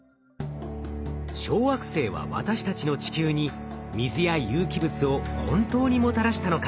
小惑星は私たちの地球に水や有機物を本当にもたらしたのか？